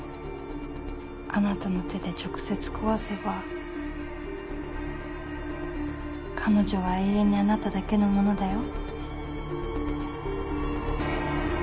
あなたの手で直接壊せば彼女は永遠にあなただけのものだよ。